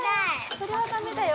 それはダメだよ。